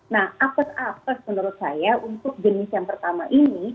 nah apes apes menurut saya untuk jenis yang pertama ini